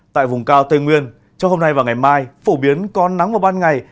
tại vùng cao tây nguyên trong hôm nay và ngày mai phổ biến có nắng vào ban ngày